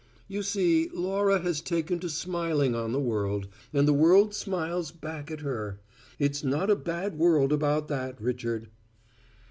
"You see, Laura has taken to smiling on the world, and the world smiles back at her. It's not a bad world about that, Richard."